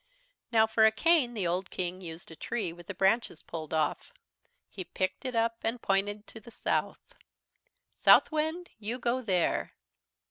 "Now for a cane the old King used a tree with the branches pulled off. He picked it up and pointed to the south. "'Southwind, you go there.'